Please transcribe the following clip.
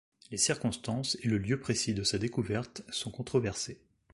Les circonstances et le lieu précis de sa découverte sont controversés.